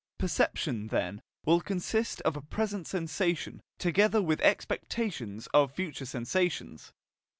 Perception, then, will consist of a present sensation together with expectations of future sensations.